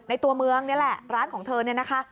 ตัวเมืองนี่แหละร้านของเธอเนี่ยนะคะ